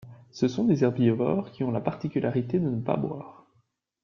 Ce sont des herbivores qui ont la particularité de ne pas boire.